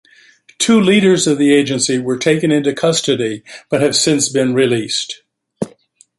Two leaders of the agency were taken into custody but have since been released.